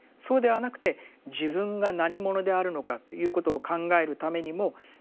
そうではなくて自分が何者であるのかということを考えるためにもｂｅｉｎｇ。